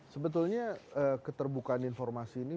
sebetulnya keterbukaan informasi ini